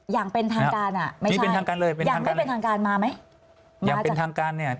อย่างเป็นทางการไม่ใช่อย่างไม่เป็นทางการมาไหม